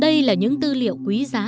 đây là những tư liệu quý giá